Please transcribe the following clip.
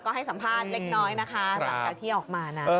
ก็ให้สัมภาษณ์เล็กน้อยนะคะหลังจากที่ออกมานะ